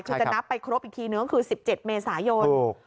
คือจะนับไปครบอีกทีนึงก็คือ๑๗เมษายน